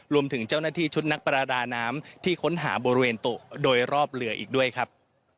รวมถึงเจ้าหน้าที่ชุดนักประดาน้ำที่ค้นหาบริเวณโต๊ะโดยรอบเรืออีกด้วยครับ